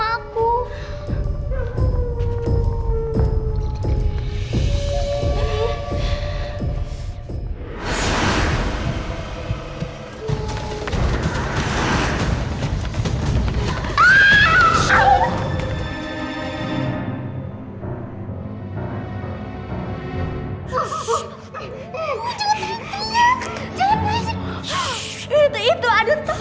ayo keluar aja